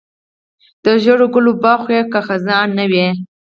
د ژړو ګلو باغ خو یې که خزان نه وي.